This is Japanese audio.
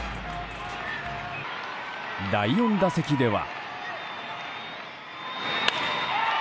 第４打席では。